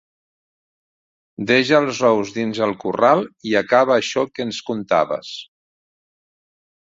Deixa els ous dins el corral i acaba això que ens contaves.